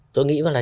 tôi nghĩ là